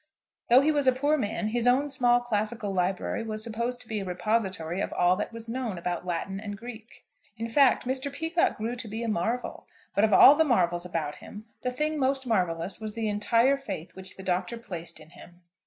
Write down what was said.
Though he was a poor man, his own small classical library was supposed to be a repository of all that was known about Latin and Greek. In fact, Mr. Peacocke grew to be a marvel; but of all the marvels about him, the thing most marvellous was the entire faith which the Doctor placed in him.